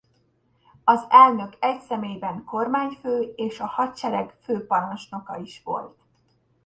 Az elnök egyszemélyben kormányfő és a hadsereg főparancsnoka is volt.